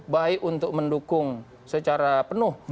baik untuk mendukung secara penuh